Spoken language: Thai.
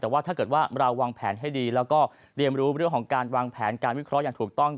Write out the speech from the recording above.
แต่ว่าถ้าเกิดว่าเราวางแผนให้ดีแล้วก็เรียนรู้เรื่องของการวางแผนการวิเคราะห์อย่างถูกต้อง